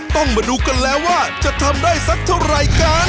ต้องมาดูกันแล้วว่าจะทำได้สักเท่าไหร่กัน